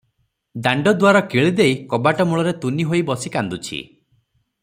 ଦାଣ୍ଡଦୁଆର କିଳି ଦେଇ କବାଟମୂଳରେ ତୁନି ହୋଇ ବସି କାନ୍ଦୁଛି ।